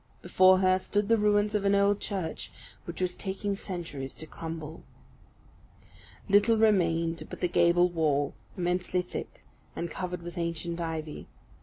Before her stood the ruins of an old church which was taking centuries to crumble. Little remained but the gable wall, immensely thick, and covered with ancient ivy.